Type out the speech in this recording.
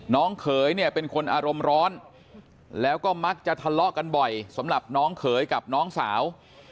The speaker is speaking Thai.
เขยเนี่ยเป็นคนอารมณ์ร้อนแล้วก็มักจะทะเลาะกันบ่อยสำหรับน้องเขยกับน้องสาว